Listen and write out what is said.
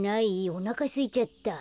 おなかすいちゃった。